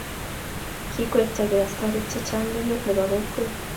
kiwektagei askarik chechang' emet nebo kokwet.